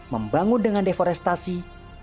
membangun dengan deforestasi